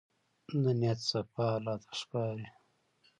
د نیت صفا الله ته ښکاري.